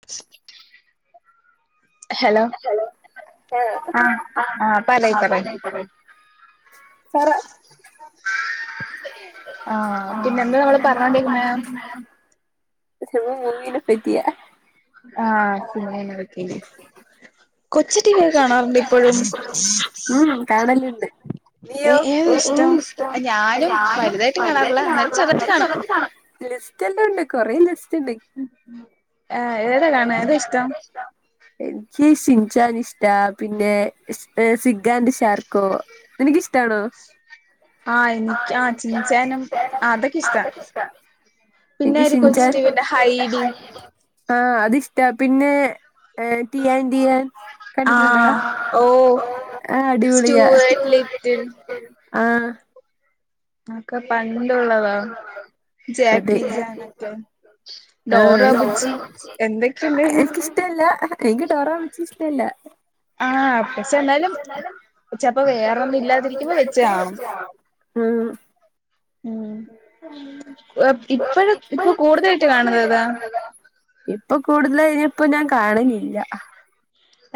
സെറ്റല്ലേ ആഹ് ആഹ് പറയ് പറയ് [inaudible] പറ ആ പിന്നെന്താ നമ്മള് പറഞ്ഞോണ്ടിരുന്നെ [unintelligible] മുങ്ങിനെപ്പറ്റിയാ [unintelligible] കൊച്ചു ടി വി ഒക്കെ കാണാറുണ്ടോ ഇപ്പോഴും ഉം കാണല്ണ്ട് ഏ [inaudible] ഏതാ ഇഷ്ടം ഞാനും വലുതായിട്ട് കാണാറില്ല എന്നാലും ചെറുതായിട്ട് കാണും ലിസ്റ്റെല്ലൊണ്ട് കൊറേ ലിസ്റ്റ്ണ്ട് ആ ഏത കാണാ ഏതാഷ്ടം [inaudible] ൻക്ക് ഷിൻചാനിഷ്ടാ പിന്നെ ഷ് സിഗ്ഗാൻ്റ് ഷാർക്കോ നിനിക്കിഷ്ടാണോ ആഹ് എനിക്ക് ആഹ് [unintelligible] ചിൻചാനും ആഹ് അതൊക്കെ ഇഷ്ടാ പിന്നെ ൻക്ക് ഒരു കൊച്ചു സിംഗ്ചാൻ ടിവിന്റെ ഹൈഡി ആ അതിഷ്ടാ പിന്നെ ഏ ടിയൻടിയാൻ കണ്ടിട്ടുണ്ടോ ആഹ് ആ ഓഹ് ഉം ആ അടിപൊളിയാ സ്റ്റുവേർട്ട് [unintelligible] ആ ആക്കെ പണ്ടുള്ളതാ അതെ ജാക്കി ജാനൊക്കെ ആ ഡോറ ബുജ്ജി എന്തൊക്കെണ്ടെയ്നു ട്ടല്ല ൻക്ക് ഡോറബുജി ഇഷ്ടല്ല ആ പശ്ശേ എന്തായാലും ചെൽപ്പോ വേറൊന്നും ഇല്ലാതിരിക്കുമ്പോ വെച്ച്കാണും ആഹ് ഉം ഇപ്പഴും ഇപ്പൊ കൂടുതലായിട്ട് കാണുന്നതെതാ ഇപ്പൊ കൂടുതല ഇനി ഇപ്പ ഞാൻ കാണലില്ല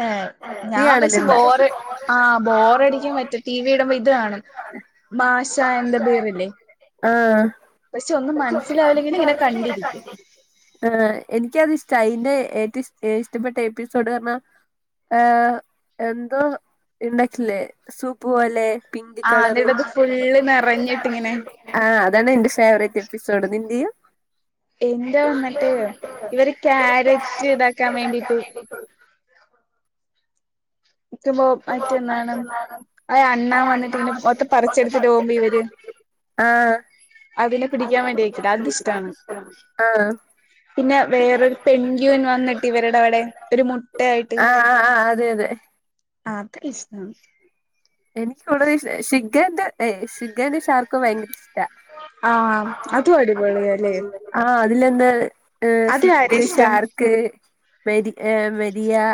എഹ് നീ ഞാൻ വെസ്സ് കാണലുണ്ടാ ബോറ് ആഹ് ബോറടികുമ്മറ്റെ ടി വി ഇടുമ്പോ ഇത് കാണും മാഷാ ആൻഡ് ദ ബിയർ ഇല്ലേ ആഹ് പക്ഷെ ഒന്നും മനസ്സിലാവില്ലെങ്കിലും ങ്ങനെ കണ്ടിരിക്കേ ആഹ് എനിക്കത് ഇഷ്ട അതിന്റെ ഏറ്റവും ഇഷ്ടപ്പെട്ട എപ്പിസോഡ് പറഞ്ഞാൽ ഏഹ എന്തോ ഇണ്ടാക്കില്ലേ സൂപ്പ് പോലെ പിങ്ക് ആഹ് കളർ എന്നിട്ടത് ഫുള്ള് നിറഞ്ഞിട്ടിങ്ങനെ ആഹ അതാണ് എന്റെ ഫേവറേറ്റ് എപ്പിസോഡ് നിന്റെയോ എന്റെ വന്നിട്ട് ഇവര് ക്യാരറ്റ് താക്കാൻ വേണ്ടിട്ട് [unintelligible] അഹ് അണ്ണാൻ വന്ന് മൊത്തം [unintelligible] ആഹ് അതിനെ പിടിക്കാൻ വേണ്ടിയെക്കുലേ അത് ഇഷ്ടാണ് ആഹ് പിന്നെ വേറൊരു പെൻഗ്വിൻ വന്നിട്ട് ഇവരുടെ അവിടെ ഒരു മുട്ടയായിട്ട് ആഹ് ആഹ് ആഹ് അതെ അതെ [unintelligible] എനിക്ക് വളരെ ഇ ഷിഖഗാന്ത് ഏഹ ഷിഖഗാന് ഷാർക്കും ഭയങ്കര ഇഷ്ടം ആഹ് അതും അടിപൊളിയാല്ലേ ആഹ് അതിലന്താ ഏ അതിലാരെയാ സിഗ്ഗ് ഇഷ്ടം ഷാർക്ക് മെരി മെരിയാ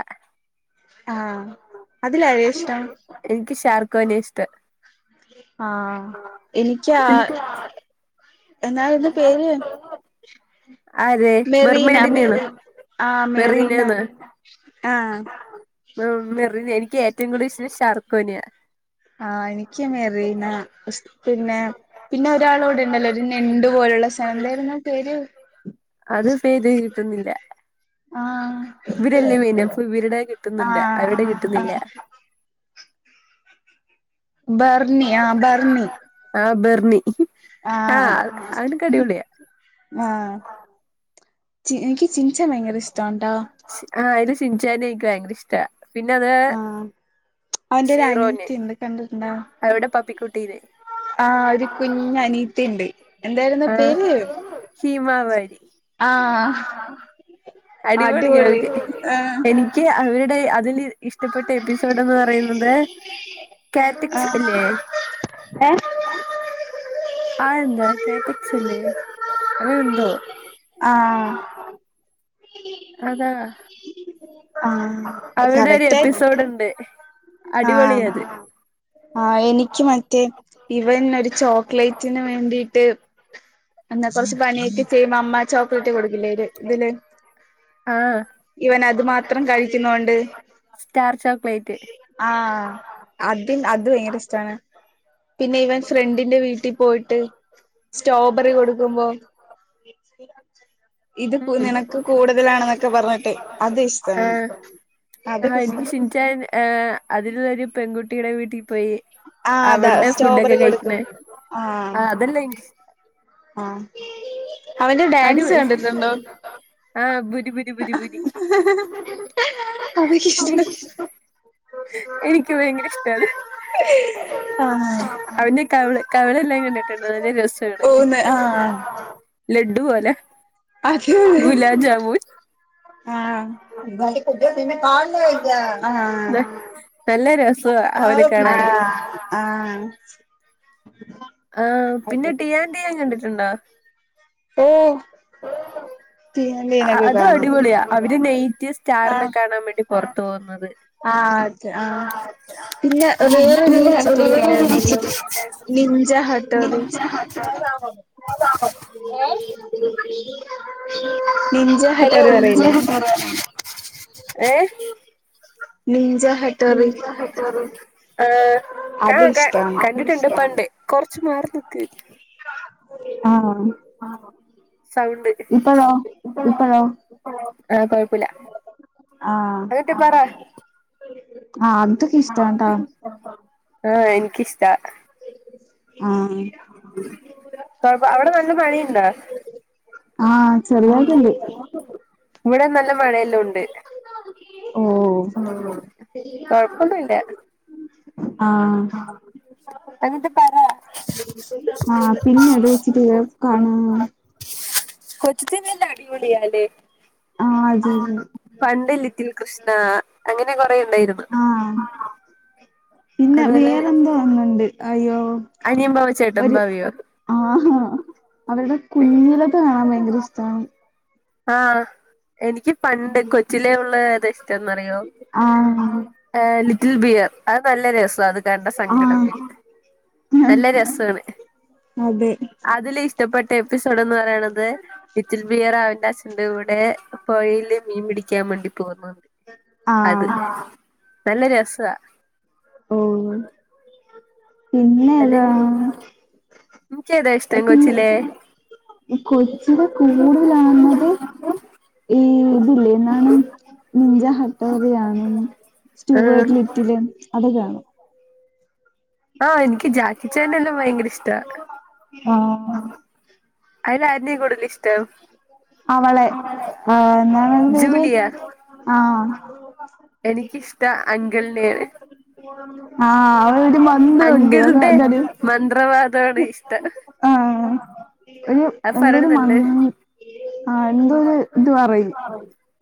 ആഹ് അതിലാരെയാ ഇഷ്ടം [unintelligible] എനിക്ക് ഷാർഖോന ഇഷ്ടം ആഹ് എനിക്ക്യാ നിനക്ക് എന്നാ [unintelligible] പേര് ആരെ മെറീന മെർമെയ്ഡിനെയാണോ മെറിൻ ആഹ് മെറീന മെറീനേന്ന് ആഹ് മ മെറി എനിക്ക് ഏറ്റവും കൂടുതൽ ഇഷ്ടം ഷർക്കോനിയ ആഹ് എനിക്ക് മെറീന പിന്നെ പിന്നെ ഒരാളോടെണ്ടല്ലോ ഒരു ഞെണ്ടു പോലുള്ള സാധനം എന്തേരുന്നു പേര് അത് ഫേത് ചെയ്തിട്ടൊന്നില്ല ആഹ് ഇവടെല്ലേ മീന്. അപ്പം ഇവര്ടെ കിട്ടുന്നുണ്ട് ആഹ് അവര്ടെ കിട്ടുന്നില്ല. ആഹ് ബർണി ആഹ് ബർണി ആഹ് ബെർണി ആഹ് അവനൊക്കൊ അടിപൊളിയ ആഹ് ചി എനിക്ക് ചിൻചാൻ ഭയങ്കര ഇഷ്ടംട്ടോ ആഹ് അയിലെ ശിൻചാനെ എനിക്ക് വയങ്കര ഇഷ്ട പിന്നെ അത് ആഹ് അവന്റെ ഒരു സീറോന് [unintelligible] അവരുടെ പപ്പിക്കുട്ടീനെ ആഹ് ഒരു കുഞ്ഞ് അനിയത്തീണ്ട് എന്തായിരുന്നാപേര് ഹീമവാരി ആഹ് അടിപൊളിയ അടിപൊളി ആഹ് നിക്ക് അവരുടെ അതില് ഇഷ്ടപ്പെട്ട എപ്പിസോഡ്ന്ന് പറയുന്നത് ഏ കാറ്റക് ഇല്ലേ ഏ ആന്ത കാറ്റെക്സ് ല്ലെ അങ്ങനെന്തോ ആഹ് അതാ ആഹ് അവരുടെ ഒരു കറക്റ്റ് ആയി എപ്പിസോഡ്ണ്ട് ആഹ് അടിപൊളിയത് ആഹ് എനിക്ക് മറ്റേ ഇവൻ ഒരു ചോക്ലേറ്റിന് വേണ്ടിട്ട് എന്നാ കൊറച്ച് പണിയൊക്കെ ചെയ്യുമ്പോ അമ്മ ചോക്ലേറ്റ് കൊടുക്കില്ലേര് ഇതില് ആഹ് ഇവൻ അത് മാത്രം കഴിക്കുന്നോണ്ട് സ്റ്റാർ ചോക്ലേറ്റ് ആഹ് അതി അത് വയങ്കര ഇഷ്ടണ് പിന്നെ ഇവൻ ഫ്രണ്ടിന്റെ വീട്ടി പോയിട്ട് സ്റ്റോ ബറി കൊടുക്കുമ്പോ ഇത് ഉം നിനക്ക് കൂടുതലാണെന്നൊക്കെ പറഞ്ഞിട്ട് അത് ഇഷ്ട്ടാണ് ആഹ് അത് [unintelligible] ഏ അതിലോരു പെൺകുട്ടിടെ വീട്ടി പോയി ആ അതാ അവളുടെ ഫുഡൊക്കെ സ്റ്റോബെറി കൊടുക്കും കഴിക്കണേ ആ ആഹ് അതല്ല എനിക്ക് ആ അവന് [unintelligible] ബുരി ബുരി ബുരി ബുരി അത് [unintelligible] എനിക്ക് ഭയങ്കര ഇഷ്ടാ അത് ആഹ് അവന്റെ കവിള് കവിള എല്ലാം കണ്ടിട്ടുണ്ട് ഒരു രസാണ് ഓന്ന് ആ ലഡ്ഡു പോലെ അതെ ഗുലാബ് ജാമുൻ അതെ ആഹ് [unintelligible] ആഹ് ന- നല്ല രസവാ അവനെ ആഹ് കാണാന് ആഹ് ആഹ് പിന്നെ ടിയാൻ ടിയൻ കണ്ടിട്ടുണ്ടോ ഓഹ് പിന്ന അതും അടിപൊളിയാ അവര് നെയ്റ്റീ സ്റ്റാറിനെ ആഹ് കാണാൻ വേണ്ടി പുറത്തു പോകുന്നത് ആഹ് അതെ ആഹ് പിന്നെ വേറൊരു കൊച്ചിറ്റിവി ഇണ്ടായിരുന്നല്ലോ നിഞ്ച ഹട്ടോറി [inaudible] ഹലോ ഹട്ടോറി അറിയില്ലേ ഏഹ് നിഞ്ച ഹട് നിഞ്ച ഹട്ടോരി ആഹ് കാ അത് കാ ക ഇഷ്ടാണ് കണ്ടിട്ടുണ്ട് പണ്ടേ കുറച്ച് മാർ കൊക്കെ കി ആഹ് ആഹ് സൗണ്ട് ഇപ്പഴോ ഇപ്പഴോ ആഹ് കൊഴപ് ആഹ് ആഹ് അതൊക്കെ ഇഷ്ടട്ടാ ആഹ് എനിക്കിഷ്ട്ടാ ആഹ് പോയിപ്പ അവിടെ നല്ല മഴയുണ്ട ആഹ് ചെറിതായിട്ടുണ്ട് ഇവിടെ നല്ല മഴയെല്ലാം ഉണ്ട് ഓഹ് കൊഴപ്പൊന്നുംല്ല ആഹ് ആഹ് എന്നിട്ട പറ ആഹ് പിന്നെ അത് വച്ചിട്ട് കാണ [unintelligible] അടിപൊളിയല്ലേ അത് ആഹ് അത് പണ്ട് ലിറ്റിൽ കൃഷ്ണ അങ്ങനെ കൊറെ ഉണ്ടായിരുന്നു ആഹ് പിന്നെ അതുപോലെ വേറെന്തോ ഒന്നുണ്ട് അയ്യോ അനിയൻ ഭാവ ചേട്ടൻ ഒരു ഭാവയോ ആഹ് ആഹ് അവരുടെ കുഞ്ഞിലക്ക കാണാൻ ഭയങ്കര ഇഷ്ടാണ് ആഹ് എനിക്ക് പണ്ട് കൊച്ചിലേ ഉള്ള ഏതാ ഇഷ്ടംന്നറിയോ ആഹ് ഏഹ് ലിറ്റിൽ ബിയർ അത് നല്ല രസാണ് ക്കണ്ട സങ്കടം ആഹ് വരും നല്ല രസാണ് അതെ അതിൽ ഇഷ്ടപ്പെട്ട എപ്പിസോഡ് എന്ന് പറയണത് ലിറ്റിൽ ബിയറ ച്ഛന്റെ കൂടെ പുഴയില് മീൻ പിടിക്കാൻ വേണ്ടി പോന്നത് അത് ആഹ് നല്ല രസാ ഓഹ് പിന്നെ താ എനിക്കേതാ ഇഷ്ടം പിന്നെ കൊച്ചിലേ കൊച്ചിലാ കൂടുതലാണത്. ഈ ഇതില്ലേ [unintelligible] നിഞ്ച ഹട്ടോറി കാണും, ആഹ് സ്റ്റുവേർട്ട് ലിറ്റില് അത് കാണും. ആഹ് എനിക്ക് ജാക്കിച്ചാന്റെ എല്ലാം ഭയങ്കര ഇഷ്ടാ. ആഹ് അയിൽ ആര്നേ കൂടുതൽ ഇഷ്ടം. അവളെ. [unintelligible] പേര് ജൂലിയ ആഹ് എനിക്കിഷ്ട അങ്കിളിനെയാണ് ആഹ് അവടെ ഒരു മന്തുണ്ട് [unintelligible] മന്ത്രവാദോടെ ഇഷ്ടാ. ആഹ് ഒരു ആഹ് എന്തൊരു മ ആഹ് എന്തോരു [unintelligible] ഇത് പറയും.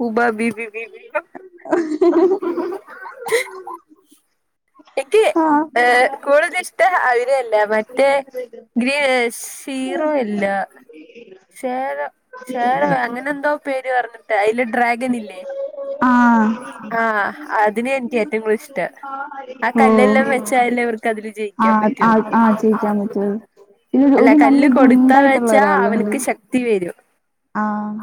ഉബ ബീബി. [unintelligible] [inaudible] എക്ക് ആഹ് ഏഹ് കൂടുതൽ ഇഷ്ട അവര അല്ല മറ്റേ ഗ്രീ സീറും അല്ല. ഷേര ഷേരവ അങ്ങനെ എന്തോ പേര് പറഞ്ഞിട്ടെ, അതില് ഡ്രാഗൻ ഇല്ലേ? ആഹ് ആഹ് അതിനെ എനിക്ക് ഏറ്റവും കൂടുതൽ ഇഷ്ടം. ആ ഓഹ് കല്ലെല്ലാം വെച്ചായാല- തില് ജയിക്കാൻ ആഹ് പറ്റൊ? ആഹ് ആഹ് ചെയ്യിക്കാൻ പറ്റുവത് പിന്നെ അല്ല ഒരു നല്ല കല്ല് ഗുണ്ടായിട്ടുള്ള കൊടുത്താച്ചാ അവനക്ക് ഒരാളുണ്ട് ശക്തി വരും. ആഹ്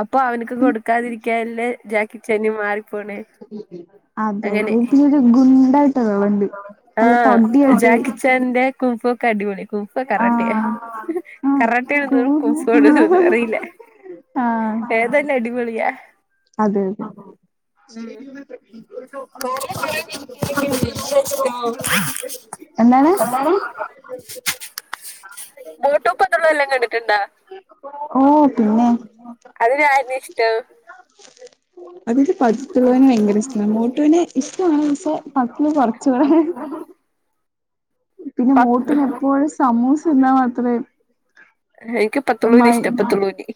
അപ്പൊ അവനക്ക് കൊടുക്കാതിരിക്കല്ലേ ജാക്കിച്ചാന് മാറിപ്പോണ്. അതെ അതെ പിന്നെരു ഗുണ്ടായിട്ട് ആള്ണ്ട്, നല്ല തടിയായിട്ട്. ഫെൻന്റെ കുംഫൊക്കെ അടിപൊളി. കുംഫോ കറാട്ടിയേ? ആഹ് ആഹ് കറാട്ടയാണോ കൂഹു കുംഫാണോ ഒന്നും അറിയില്ല. ആഹ് ഏതായാലും അടിപൊളിയാ. അതെ അതെ. ഉം [inaudible] എന്താണ് [unintelligible] മോട്ടു പത്ലു എല്ലാം കണ്ടിട്ടുണ്ടാ? ഓ പിന്നെ അതിലാര്നെ ഇഷ്ടം? അതിൽ പത്ത്ലു നെ ഭയങ്കര ഇഷ്ടമാണ്. മോട്ടുവിനെ ഇഷ്ടാണ്. പക്ഷെ പത് ലു കുറച്ചുകൂടെ. പിന്നെ പ മോട്ടൂന് എപ്പോഴും സമൂസ തിന്നാൻ മാത്രമേ- എനിക്ക് പത്തുലൂനെ മൈ ഇഷ്ടം, പത്തുളൂ ജി.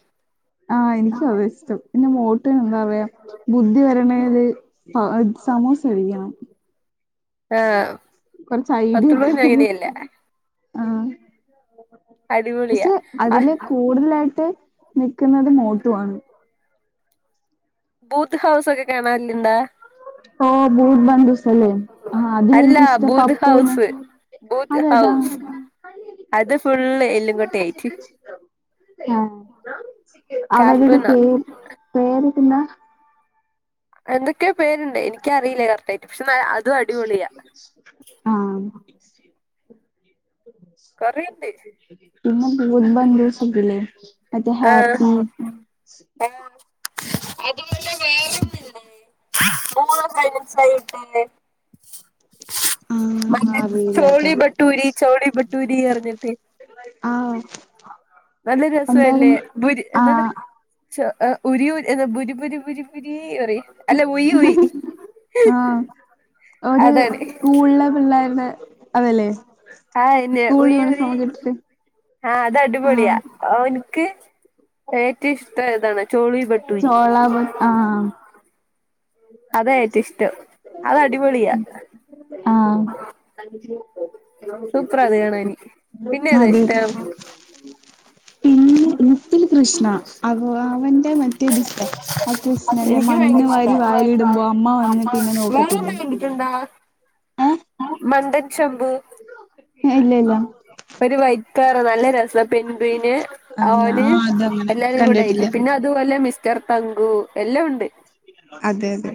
ആഹ് എനിക്കും അതാ ഇഷ്ടം. പിന്നെ മോട്ടൂന് എന്താ പറയാ ബുദ്ധി വരണൽ സമോസ കഴിക്കണം. ആഹ് കൊറച്ച് ഐഡിയ ഒക്കെരുന്നു. അല്ല. ആഹ് അടിപൊളിയാ പക്ഷെ, അതില് കൂടുതലായിട്ട്. നിക്കുന്നത് മോട്ടുവാണ്. ബൂത്ത് ഹൗസ് ഒക്കെ കാണാ ല്ലണ്ടാ? ഓ ബൂട് ബന്ദസല്ലേ? ആഹ് അത്ൽ എനക്ക്ഷ്ടം പപ്പൂനെ. ബൂത്ത്‌ ഹൗസ് ആഹ് അത് ഫുള് എല്ലങ്കോട്ട ആയിട്ട്. ആഹ് അവരുടെ കാർട്ടൂണാ പേര് പേരിടുന്ന- എന്തൊക്കെയ പേരുണ്ട്. എനിക്കറിയില്ല കറക്റ്റ് ആയിട്ട് പക്ഷെ- അതും അടിപൊളിയാ ആഹ് കൊറെയുണ്ട്. പിന്നെ ബൂട്ട് ബന്ധുസുണ്ട്ല്ലേ? മറ്റേ ഹാപ്പി. എൻ [inaudible] വേറോന്ന് ആഹ് [unintelligible] [unintelligible] അറിയില്ലട്ടാ ചോളി ബട്ടൂരി ചോളി ബട്ടൂരി എറിഞ്ഞിട്ട് ആഹ് നല്ല എന്തായാലും രേസല്ലേ പോരി എന്താന്ന് ആഹ് [unintelligible] ഉരീ പറിം അല്ല ഉയി ഉയി ഒര് അതാണ് സ്കൂളിലെ പിള്ളാര്ടേ ആഹ് യൂണിഫോം ഒക്കെ [unintelligible] ഇട്ടിട്ട് ആഹ് അത് അടിപൊളിയാ ആഹ് ഓന്ക്ക് ഏറ്റോ ഇഷ്ടമായതാണ് ചോളി ബട്ടുരി ചോള ബട്ട് ആഹ് അതാ ഏറ്റോം ഇഷ്ടം അത് അടിപൊളിയാ ആഹ് സൂപ്പറാ അത് കാണാന് പിന്നെ ഏതാ അതെ ഇഷ്ടം പിന്നെ ഇത്തിരി പ്രശ് [unintelligible] അവന്റെ മറ്റേത് ഇഷ്ടാ ആ കൃഷ്ണന്റെ എനിക്ക് മണ്ണ് ഭയങ്കര ഇഷ്ടാ വാരി വായലിട്മ്പോ അമ്മ വന്നിട്ട് ഇന്നെ നോക്കത്തില്ലേ എന്താ ഏ മണ്ടൻ ചംബു യെ ഇല്ല ഇല്ല ഒരു വഴിക്കേറി നല്ല രേസം [unintelligible] ആ ഞാൻ ഓന് അതങ്ങനെ എല്ലാരും കൂടെ ആയിട്ട് കണ്ടിട്ടില്ല പിന്നെ അതുപോലെ മിസ്റ്റർ തങ്കു എല്ലാം ഒണ്ട് അതെ അതെ